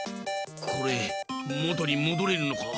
これもとにもどれるのか？